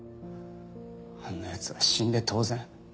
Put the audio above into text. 「あんな奴は死んで当然」？